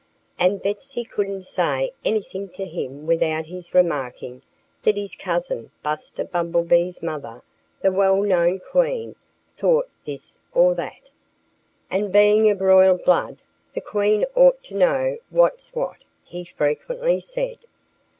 And Betsy couldn't say anything to him without his remarking that his cousin Buster Bumblebee's mother, the well known Queen, thought this or that. "And being of royal blood, the Queen ought to know what's what," he frequently said.